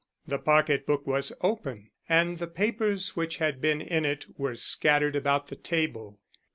The pocket book was open, and the papers which had been in it were scattered about the table.